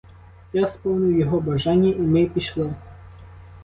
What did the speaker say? Я сповнив його бажання, і ми пішли.